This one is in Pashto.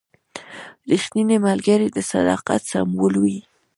رښتینی ملګری د صداقت سمبول وي.